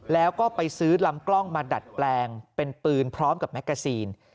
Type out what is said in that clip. แล้วก็ไปซื้อลำกล้องมาดัดแปลงเป็นปืนพร้อมกับแมกกาซีน